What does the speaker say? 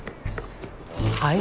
はい？